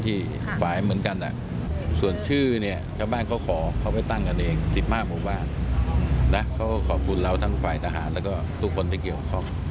นะเขาก็ขอบคุณเราทั้งฝ่ายทหารและก็ทุกคนที่เกี่ยวของ